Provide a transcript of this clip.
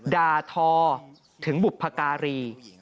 ด่าทอถึงบุพการี